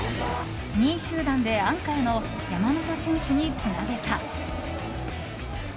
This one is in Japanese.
２位集団でアンカーの山本選手につなげた。